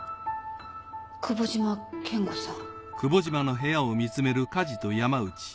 久保島健悟さん。